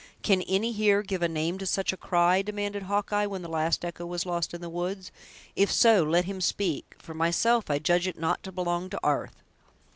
"Can any here give a name to such a cry?" demanded Hawkeye, when the last echo was lost in the woods; "if so, let him speak; for myself, I judge it not to belong to 'arth!"